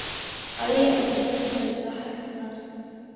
عليّ أن أضمّد جرح الحصان.